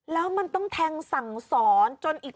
แล้วมันต้องแทงสั่งสอนจนอีก